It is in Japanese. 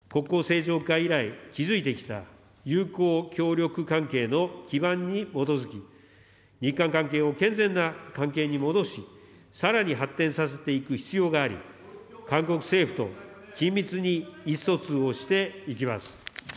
国交正常化以来、築いてきた友好協力関係の基盤に基づき、日韓関係を健全な関係に戻し、さらに発展させていく必要があり、韓国政府と緊密に意思疎通をしていきます。